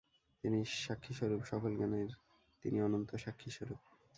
তিনি সাক্ষিস্বরূপ, সকল জ্ঞানের তিনি অনন্ত সাক্ষিস্বরূপ।